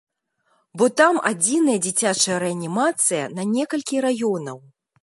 Бо там адзіная дзіцячая рэанімацыя на некалькі раёнаў.